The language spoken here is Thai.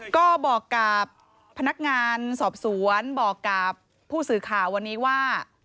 ก็บอกกับพนักงานสอบสวนบอกกับผู้สื่อข่าววันนี้ว่า